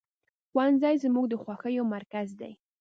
ښوونځی زموږ د خوښیو مرکز دی